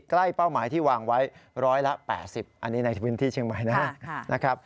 เป้าหมายที่วางไว้๑๘๐อันนี้ในพื้นที่เชียงใหม่นะครับ